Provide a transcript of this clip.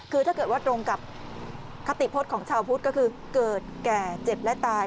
คือถ้าเกิดว่าตรงกับคติพฤษของชาวพุทธก็คือเกิดแก่เจ็บและตาย